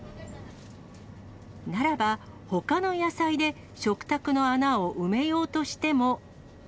ならば、ほかの野菜で、食卓の穴を埋めようとしても。